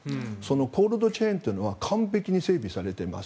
コールドチェーンというのは完璧に整備されています。